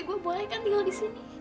gue boleh kan tinggal di sini